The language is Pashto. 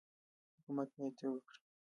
حکومت باید څه وکړي؟